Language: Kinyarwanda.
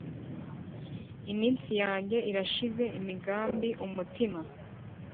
Iminsi yanjye irashize Imigambi umutima